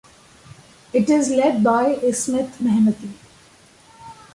It is led by Ismet Mehmeti.